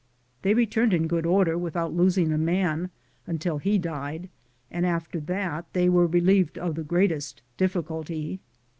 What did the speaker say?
They re turned in good order without losing a man, until he died, and after that they were re lieved of the greatest difficulty.